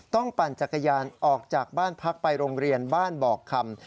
ปั่นจักรยานออกจากบ้านพักไปโรงเรียนบ้านบอกคำ